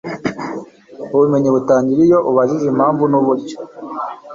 Ubumenyi butangira iyo ubajije impamvu nuburyo